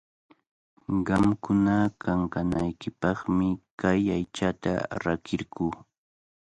Qamkuna kankanaykipaqmi kay aychata rakirquu.